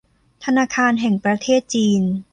ธนาคารแห่งประเทศจีน